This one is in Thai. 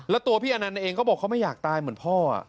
แล้วตัวพี่อนันต์เองก็บอกเขาไม่อยากตายเหมือนพ่อ